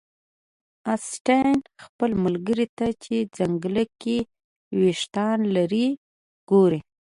اسټین خپل ملګري ته چې ځنګلي ویښتان لري ګوري